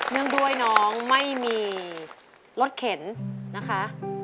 งด้วยน้องไม่มีรถเข็นนะคะ